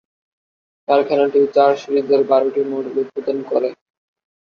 কারখানাটি চারটি সিরিজের বারোটি মডেল উৎপাদন করে।